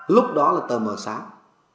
lúc đó là tờ mở sáng